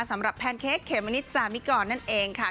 สำระแปนเคคเคมโมนิจญาลมิกรนั่นเองค่ะ